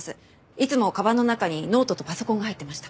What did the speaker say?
いつもかばんの中にノートとパソコンが入ってました。